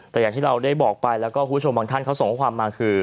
แต่อย่างที่เราได้บอกไปแล้วก็คุณผู้ชมบางท่านเขาส่งข้อความมาคือ